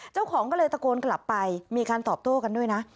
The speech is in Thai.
เจ้าของก็เลยตะโกนกลับไปมีการตอบโต้กันด้วยนะ